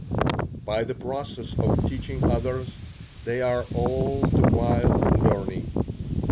By the process of teaching others, they are all the while learning.